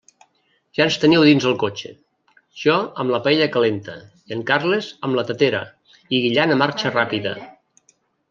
Ja ens teniu a dins el cotxe, jo amb la paella calenta i en Carles amb la tetera i guillant a marxa ràpida.